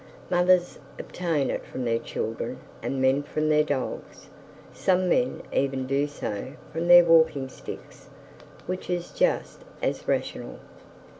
Mothers obtain it from their children, and men from their dogs. Some men even do so from their walking sticks, which is just as rational.